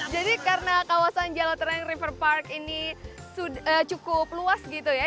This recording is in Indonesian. jadi karena kawasan jalet reng river park ini cukup luas gitu ya